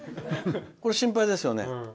これ、心配ですよね。